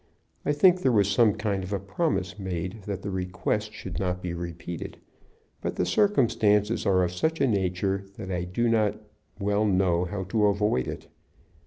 I think there was some kind of a promise made that the request should not be repeated; but the circumstances are of such a nature that I do not well know how to avoid it.